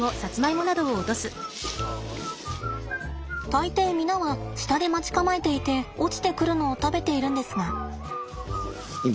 大抵皆は下で待ち構えていて落ちてくるのを食べているんですが。